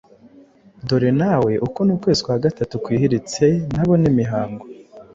Dore nawe uku ni ukwezi kwa gatatu kwihiritse ntabona imihango;